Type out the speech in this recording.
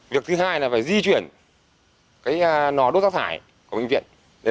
việc thứ hai là phải di chuyển cái nò đốt ra thải của bệnh viện